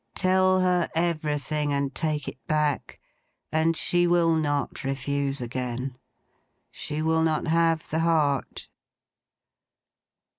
Tell her everything, and take it back, and she will not refuse again. She will not have the heart!"